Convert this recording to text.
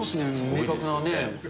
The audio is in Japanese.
明確なね。